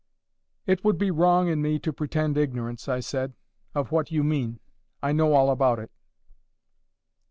"It would be wrong in me to pretend ignorance," I said, "of what you mean. I know all about it."